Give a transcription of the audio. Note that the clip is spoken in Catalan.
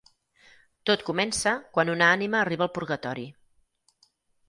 Tot comença quan una ànima arriba al purgatori.